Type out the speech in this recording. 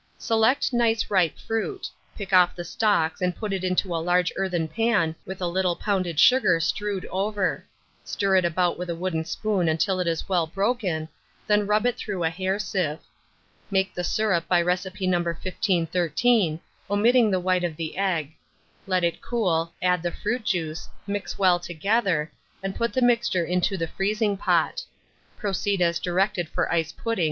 Select nice ripe fruit; pick off the stalks, and put it into a large earthen pan, with a little pounded sugar strewed over; stir it about with a wooden spoon until it is well broken, then rub it through a hair sieve. Make the syrup by recipe No. 1513, omitting the white of the egg; let it cool, add the fruit juice, mix well together, and put the mixture into the freezing pot. Proceed as directed for Ice Puddings, No.